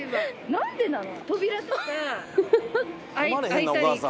なんでなの？